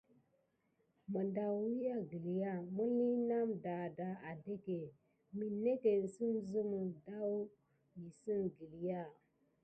Medam wiya gəlya miliye name dadah adake minetken sim sime ɗaou wisi gəlya.